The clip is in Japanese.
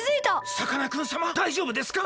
さかなクンさまだいじょうぶですか？